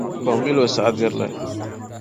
Kɔŋ mi la o saɣadiri laa.